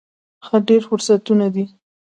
ښه، ډیر فرصتونه دي